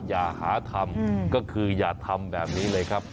อย่าหาทำก็คืออย่าทำแบบนี้เลยครับ